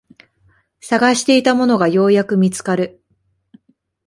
探していたものがようやく見つかる